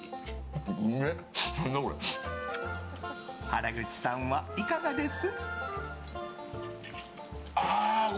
原口さんは、いかがです？